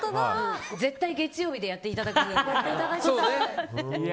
絶対月曜日でやっていただきたい。